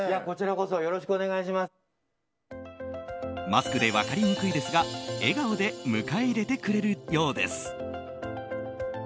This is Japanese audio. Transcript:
マスクで分かりにくいですが笑顔で迎え入れてくれるようです。